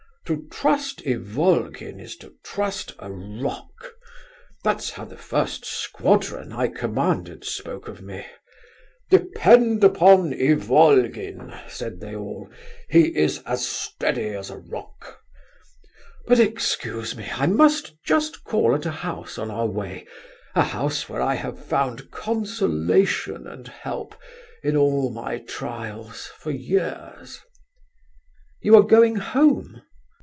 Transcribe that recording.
To trust Ivolgin is to trust a rock; that's how the first squadron I commanded spoke of me. 'Depend upon Ivolgin,' said they all, 'he is as steady as a rock.' But, excuse me, I must just call at a house on our way, a house where I have found consolation and help in all my trials for years." "You are going home?"